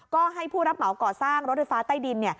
ก็ให้ผู้รับเหมาก่อสร้างรถไฟฟ้าใต้ดิน